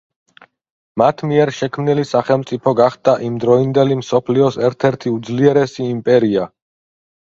მათ მიერ შექმნილი სახელმწიფო გახდა იმ დროინდელი მსოფლიოს ერთ–ერთი უძლიერესი იმპერია.